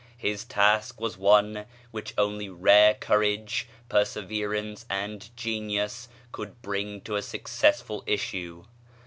His task was one which only rare courage, perseverance, and genius could bring to a successful issue.